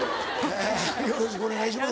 よろしくお願いします。